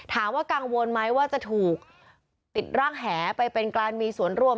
ถามว่ากังวลไหมว่าจะถูกปิดร่างแหไปเป็นการมีส่วนร่วม